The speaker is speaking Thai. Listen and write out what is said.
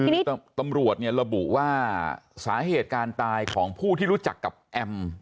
คือตำรวจระบุว่าสาเหตุการณ์ตายของผู้ที่รู้จักกับแอม